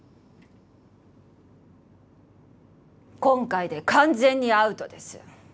今回で完全にアウトです。